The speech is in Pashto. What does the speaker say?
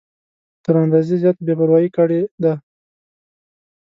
تر اندازې زیاته بې پروايي کړې ده.